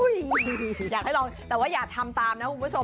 อยากให้ลองแต่ว่าอย่าทำตามนะคุณผู้ชม